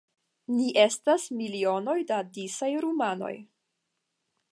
Ni estas milionoj da disaj rumanoj.